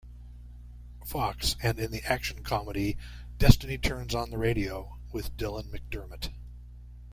Fox, and in the action-comedy "Destiny Turns on the Radio" with Dylan McDermott.